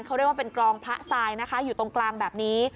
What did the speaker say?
เขาเรียกว่าเป็นกรองพระทรายนะคะอยู่ตรงกลางแบบนี้